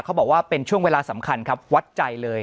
เขาบอกว่าเป็นช่วงเวลาสำคัญครับวัดใจเลย